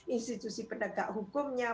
institusi pendagang hukumnya